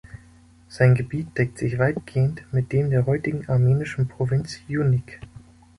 Sein Gebiet deckt sich weitgehend mit dem der heutigen armenischen Provinz Sjunik.